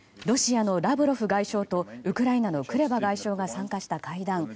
ロシアのラブロフ外相とウクライナのクレバ外相が参加した会談。